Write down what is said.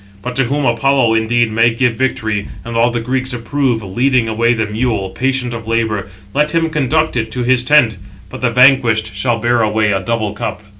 But to whom Apollo indeed may give victory, and all the Greeks approve, leading away the mule, patient of labour, let him conduct it to his tent; but the vanquished shall bear away a double cup."